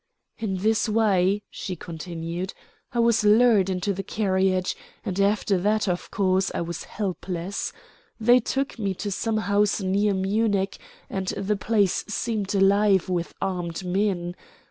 "In this way," she continued, "I was lured into the carriage, and after that, of course, I was helpless. They took me to some house near Munich, and the place seemed alive with armed men.